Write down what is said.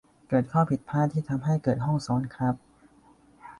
เกิดข้อผิดพลาดที่ทำให้เกิดห้องซ้อนครับ